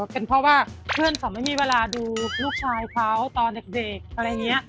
เป็นเพราะว่าเพื่อนเขาไม่มีเวลาดูลูกชายเขาตอนเด็กอะไรอย่างนี้